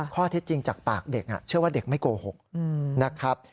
ข้อเท็จจริงจากปากเด็กเชื่อว่าเด็กไม่โกหกนะครับ